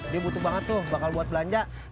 dia butuh banget tuh bakal buat belanja